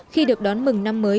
khi được đón mừng năm mới